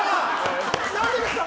何でですか？